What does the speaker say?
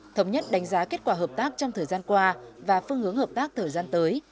thống nhất đánh giá kết quả hợp tác trong thời gian qua và phương hướng hợp tác thời gian tới